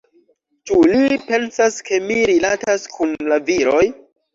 Ĉu li pensas ke mi rilatas kun la viroj?